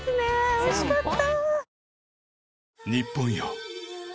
おいしかった。